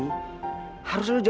m spun cesati ya